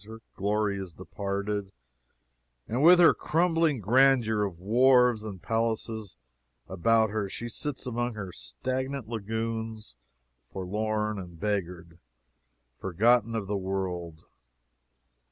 Her glory is departed, and with her crumbling grandeur of wharves and palaces about her she sits among her stagnant lagoons, forlorn and beggared, forgotten of the world.